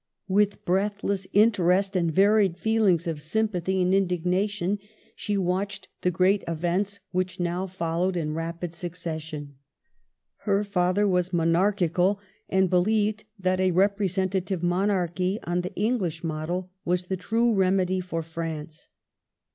With breathless interest and varied feelings of sympathy and indignation she watched the great events which now followed in rapid succession. Her father was monarchical, and believed that a representative monarchy on the English model was the true remedy for France.